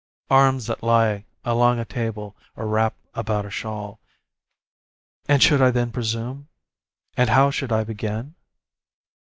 Arms that lie along a table, or wrap about a shawl. And should I then presume? And how should I begin?